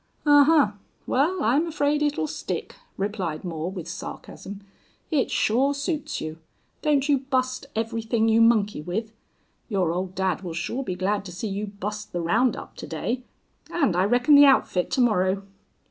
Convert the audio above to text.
"Ahuh! Well, I'm afraid it'll stick," replied Moore, with sarcasm. "It sure suits you. Don't you bust everything you monkey with? Your old dad will sure be glad to see you bust the round up to day and I reckon the outfit to morrow."